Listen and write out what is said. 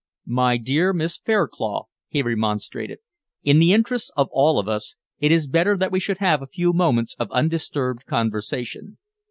"My dear Miss Fairclough," he remonstrated, "in the interests of all of us, it is better that we should have a few moments of undisturbed conversation.